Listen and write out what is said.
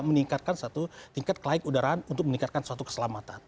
meningkatkan satu tingkat kelaikan udara untuk meningkatkan suatu keselamatan